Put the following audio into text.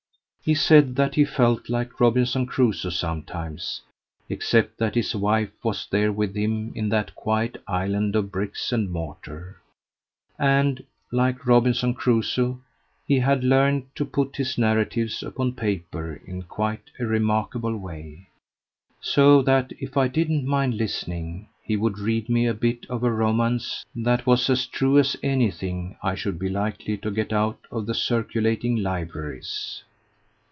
He said that he felt like Robinson Crusoe sometimes, except that his wife was there with him in that quiet island of bricks and mortar; and, like Robinson Crusoe, he had learned to put his narratives upon paper in quite a remarkable way, so that if I didn't mind listening he would read me a bit of a romance that was as true as anything I should be likely to get out of the circulating libraries.